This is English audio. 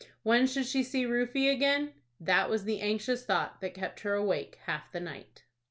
When should she see Rufie again? That was the anxious thought that kept her awake half the night.